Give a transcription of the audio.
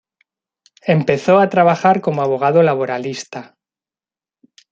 Empezó a trabajar como abogado laboralista.